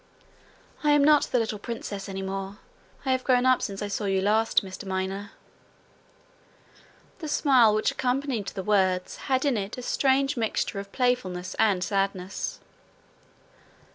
'I am not the little princess any more. I have grown up since I saw you last, Mr Miner.' The smile which accompanied the words had in it a strange mixture of playfulness and sadness.